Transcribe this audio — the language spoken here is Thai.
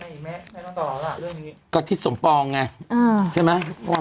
ไหมไม่ต้องตอบแล้วอ่ะเรื่องนี้ก็ที่สมปองไงอืมใช่ไหมวันวาน